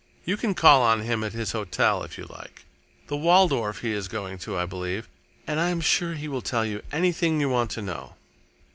You can call upon him at his hotel, if you like the Waldorf he is going to, I believe and I am sure he will tell you anything you want to know."